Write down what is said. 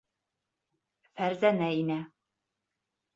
Фәрзәнә инә.